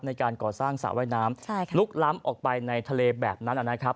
ในการก่อสร้างสระว่ายน้ำลุกล้ำออกไปในทะเลแบบนั้นนะครับ